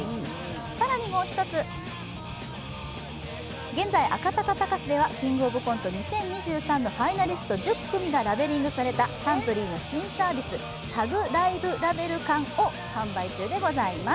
更にもう一つ、現在、赤坂サカスでは「キングオブコント２０２３」のファイナリスト１０組がラベリングされたサントリーの新サービス、ＴＡＧＬＩＶＥＬＡＢＥＬ缶を販売中でございます。